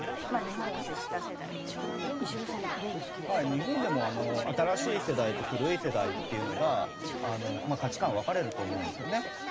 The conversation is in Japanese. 日本でも新しい世代と古い世代っていうのが価値観分かれると思うんですよね。